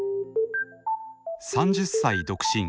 ３０歳独身。